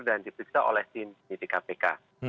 dan dipiksa oleh tim penyidik kpk